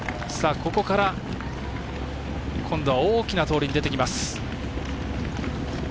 ここから、今度は大きな通りに出てきます。